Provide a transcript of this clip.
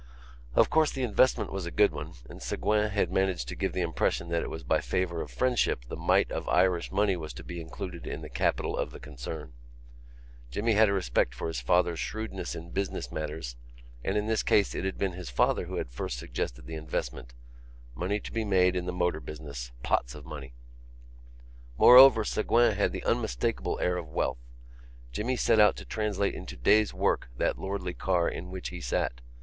Of course, the investment was a good one and Ségouin had managed to give the impression that it was by a favour of friendship the mite of Irish money was to be included in the capital of the concern. Jimmy had a respect for his father's shrewdness in business matters and in this case it had been his father who had first suggested the investment; money to be made in the motor business, pots of money. Moreover Ségouin had the unmistakable air of wealth. Jimmy set out to translate into days' work that lordly car in which he sat.